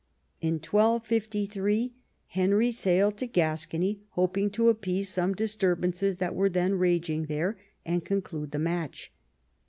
In 1 253 Henry sailed to Gascony, hoping to appease some disturbances that were then raging there, and conclude the match.